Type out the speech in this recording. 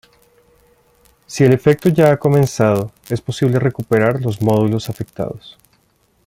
Si el efecto ya ha comenzado, es posible recuperar los módulos afectados.